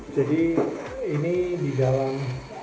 jadi ini di dalam